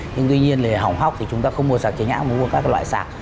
nhưng tuy nhiên là hỏng hóc thì chúng ta không mua sạc chính hãng mà mua các loại sạc